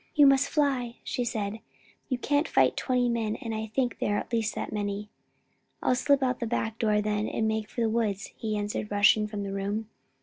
"You must fly!" she said, "you can't fight twenty men and I think there are at least that many." "I'll slip out at the back door then, and make for the woods," he answered, rushing from the room.